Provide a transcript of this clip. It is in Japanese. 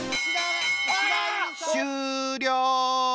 終了！